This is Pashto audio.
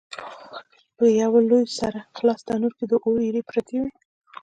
په یوه لوی سره خلاص تنور کې د اور ایرې پرتې وې.